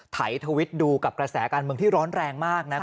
ถ่ายทวิตดูกับกระแสการเมืองที่ร้อนแรงมากนะครับ